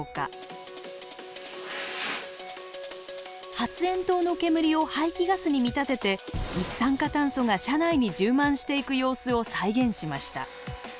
発煙筒の煙を排気ガスに見立てて一酸化炭素が車内に充満していく様子を再現しました。